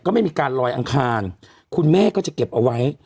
ไม่มีการลอยอังคารคุณแม่ก็จะเก็บเอาไว้